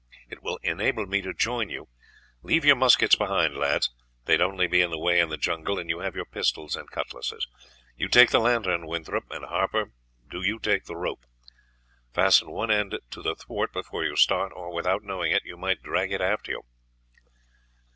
It will enable me to join you. Leave your muskets behind, lads; they would only be in the way in the jungle, and you have your pistols and cutlasses. You take the lantern, Winthorpe, and Harper, do you take the rope. Fasten one end to the thwart before you start, or, without knowing it, you might drag it after you."